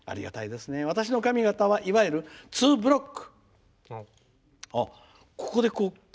私の髪形はいわゆるツーブロック。